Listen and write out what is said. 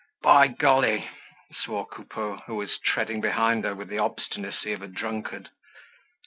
"By golly!" swore Coupeau, who was treading behind her with the obstinacy of a drunkard.